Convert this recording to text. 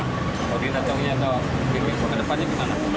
kalau di datangnya atau di depannya gimana